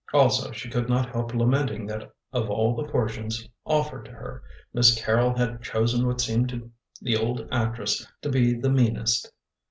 Also, she could not help lamenting that of all the fortunes offered to her, Miss Carrol had chosen what seemed to the old actress to be the meanest.